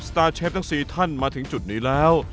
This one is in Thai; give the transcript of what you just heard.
ตาร์เชฟทั้ง๔ท่านมาถึงจุดนี้แล้ว